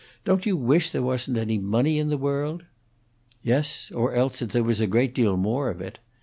Don't you wish there wasn't any money in the world?" "Yes; or else that there was a great deal more of it.